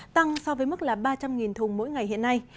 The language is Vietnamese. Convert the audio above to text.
tăng so với mức là ba trăm linh thùng mỗi ngày hiện nay